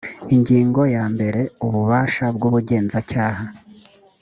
ingingo ya mbere ububasha bw’ubugenzacyaha